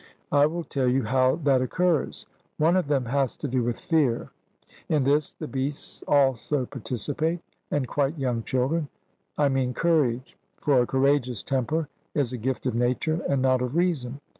I will tell you how that occurs: One of them has to do with fear; in this the beasts also participate, and quite young children I mean courage; for a courageous temper is a gift of nature and not of reason.